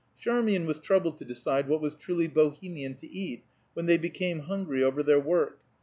Charmian was troubled to decide what was truly Bohemian to eat, when they became hungry over their work.